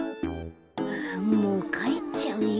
もうかえっちゃうよ。